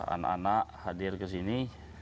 anak anak hadir ke sini